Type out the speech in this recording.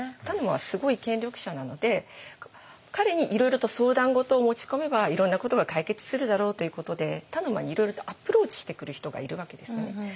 田沼はすごい権力者なので彼にいろいろと相談事を持ち込めばいろんなことが解決するだろうということで田沼にいろいろとアプローチしてくる人がいるわけですよね。